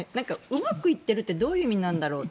うまくいっているってどういう意味なんだろう。